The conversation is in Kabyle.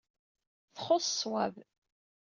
Txuṣṣ ṣṣwab.